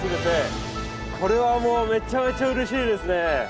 これはもうめっちゃめちゃうれしいですね。